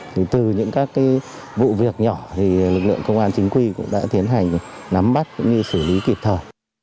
thì từ những các cái vụ việc nhỏ thì lực lượng công an chính quy cũng đã tiến hành nắm bắt cũng như xử lý kịp thời